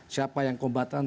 siapa yang kombatan